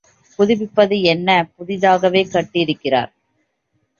புதுப்பிப்பது என்ன, புதிதாகவே கட்டியிருக்கிறார்.